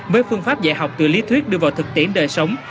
với phương pháp dạy học từ lý thuyết đưa vào thực tiễn đời sống